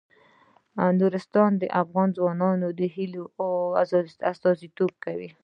نورستان د افغان ځوانانو د هیلو استازیتوب کوي.